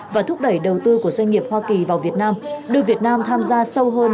và thúc đẩy đầu tư của doanh nghiệp hoa kỳ vào việt nam đưa việt nam tham gia sâu hơn